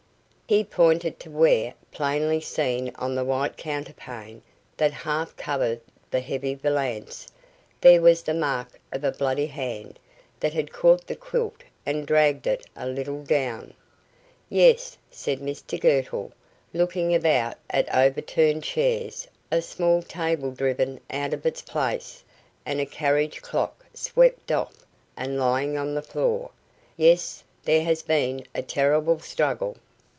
He pointed to where, plainly seen on the white counterpane that half covered the heavy valance, there was the mark of a bloody hand that had caught the quilt and dragged it a little down. "Yes," said Mr Girtle, looking about at overturned chairs, a small table driven out of its place, and a carriage clock swept off and lying on the floor. "Yes, there has been a terrible struggle."